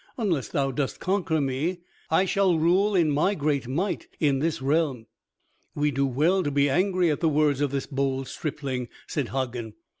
"Unless thou dost conquer me I shall rule in my great might in this realm." "We do well to be angry at the words of this bold stripling," said Hagen.